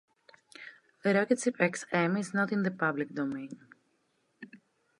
"Rocketship X-M" is not in the public domain.